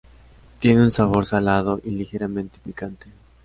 Tiene un sabor salado y ligeramente picante.